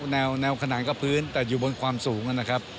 แนวขนานกับพื้นแต่อยู่บนความสูงนะครับ